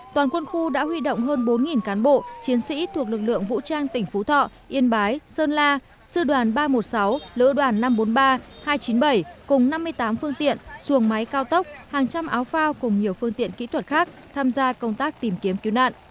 toàn quân khu đã huy động hơn bốn cán bộ chiến sĩ thuộc lực lượng vũ trang tỉnh phú thọ yên bái sơn la sư đoàn ba trăm một mươi sáu lữ đoàn năm trăm bốn mươi ba hai trăm chín mươi bảy cùng năm mươi tám phương tiện xuồng máy cao tốc hàng trăm áo phao cùng nhiều phương tiện kỹ thuật khác tham gia công tác tìm kiếm cứu nạn